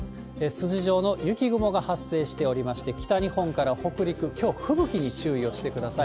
筋状の雪雲が発生しておりまして、北日本から北陸、きょう吹雪に注意をしてください。